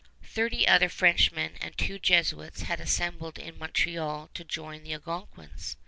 Thirty other Frenchmen and two Jesuits had assembled in Montreal to join the Algonquins.